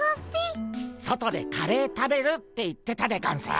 外でカレー食べるって言ってたでゴンス。